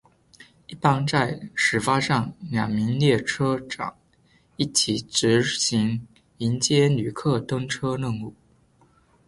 一般在始发站两名列车长一起执行迎接旅客登车任务。